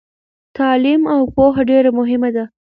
تعلیم او پوهه ډیره مهمه ده.